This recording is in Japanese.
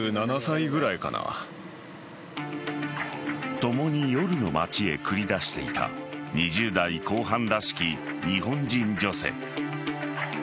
共に夜の街へ繰り出していた２０代後半らしき日本人女性。